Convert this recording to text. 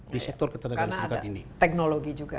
di sektor ketenagangan serikat ini karena ada teknologi juga